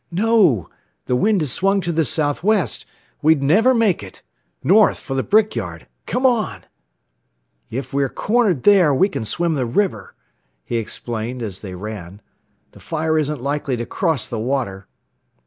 "No! The wind has swung to the southwest! We'd never make it! North, for the brick yard! Come on! "If we are cornered there, we can swim the river," he explained as they ran. "The fire isn't likely to cross the water."